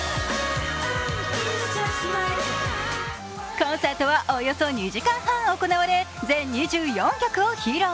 コンサートはおよそ２時間半行われ、全２４曲を披露。